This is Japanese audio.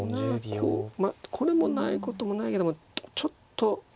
こうまあこれもないこともないけどもちょっと。